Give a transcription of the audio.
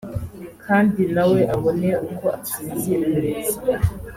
kandi nawe abone uko asinzira neza